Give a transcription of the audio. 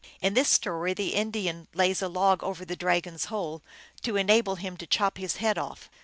In this story the Indian lays a log over the dragon s hole, to enable him to chop his head off.